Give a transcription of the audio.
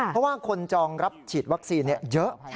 เพราะว่าคนจองรับฉีดวัคซีนเยอะ